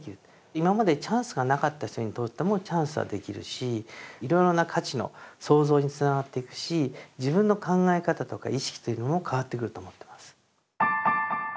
今までチャンスがなかった人にとってもチャンスはできるしいろいろな価値の創造につながっていくし自分の考え方とか意識というのも変わってくると思ってます。